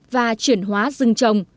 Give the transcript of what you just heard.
và chuyển hóa rừng trồng